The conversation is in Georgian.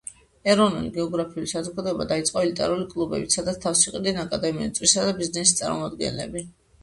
ეროვნული გეოგრაფიული საზოგადოება დაიწყო ელიტარული კლუბით, სადაც თავს იყრიდნენ აკადემიური წრისა და ბიზნესის წარმომადგენლები.